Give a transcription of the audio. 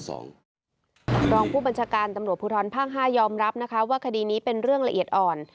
รองผู้บัญชาการตำรวจภูทรภาค๕ยอมรับนะคะว่าคดีนี้เป็นเรื่องละเอียดอ่อน